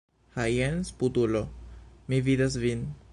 Ha jen sputulo, mi vidas vin.